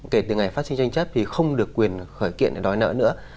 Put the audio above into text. kể từ ngày phát sinh tranh chấp thì không được quyền khởi kiện để đòi nợ nữa